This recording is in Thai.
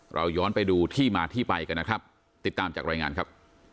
เราย้อนไปดูที่มาที่ไปกันนะครับติดตามจากรายงานครับ